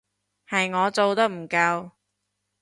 係我做得唔夠